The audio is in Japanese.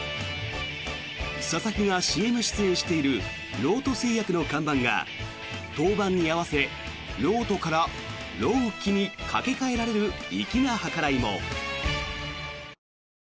佐々木がＣＭ出演しているロート製薬の看板が登板に合わせＲＯＨＴｏからＲＯＨＫｉにかけ替えられる粋な計らいも。